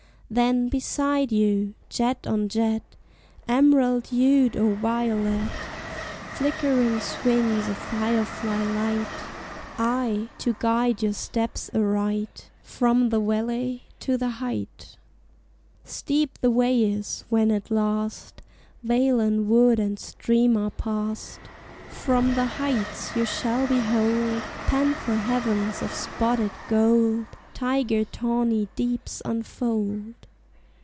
Then beside you, jet on jet, Emerald hued or violet, Flickering swings a firefly light, Aye to guide your steps a right From the valley to the height. Steep the way is; when at last Vale and wood and stream are passed, From the heights you shall behold Panther heavens of spotted gold Tiger tawny deeps unfold.